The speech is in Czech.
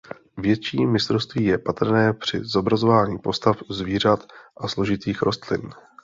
Větší mistrovství je patrné při zobrazování postav zvířat a složitých rostlin.